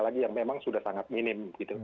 lagi yang memang sudah sangat minim